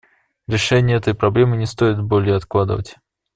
Решение этой проблемы не стоит более откладывать.